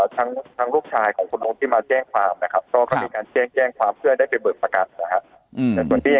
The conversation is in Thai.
ทางลูกชายของคุณลงจริมมาแจ้งความได้เปิดประกัน